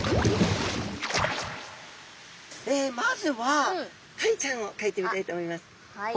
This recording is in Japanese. まずはタイちゃんをかいてみたいと思います。